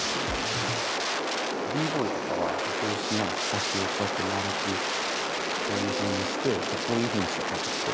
Ｂ−ＢＯＹとかはぼうしのひさしをこうやって丸くこういうふうにしてこういうふうにしてかぶってる。